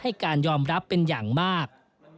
ให้การยอมรับเป็นอย่างมาก